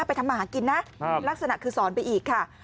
ไปทำมาหากินนะลักษณะคือสอนไปอีกค่ะ